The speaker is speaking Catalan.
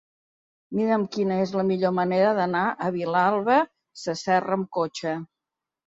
Mira'm quina és la millor manera d'anar a Vilalba Sasserra amb cotxe.